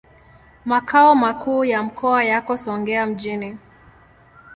Makao makuu ya mkoa yako Songea mjini.